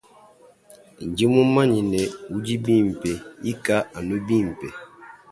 Ndi mumanye ne udi bimpe ika anu bimpe.